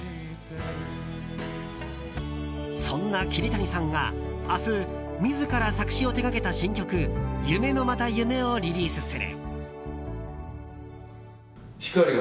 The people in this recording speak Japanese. そんな桐谷さんが明日自ら作詞を手掛けた新曲「夢のまた夢」をリリースする。